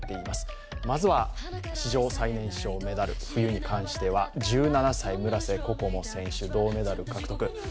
まずは史上最年長メダル、冬に関しては、１７歳、村瀬心椛選手、銅メダル獲得。